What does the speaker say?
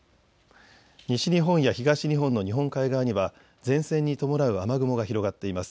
西日本や東日本の日本海側には前線に伴う雨雲が広がっています。